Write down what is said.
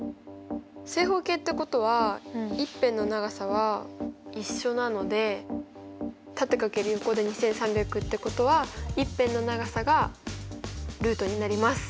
正方形ってことは一辺の長さは一緒なので縦×横で２３００ってことは一辺の長さがルートになります。